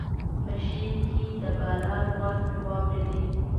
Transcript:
په شعر کې د بالا لغت مې واورېد.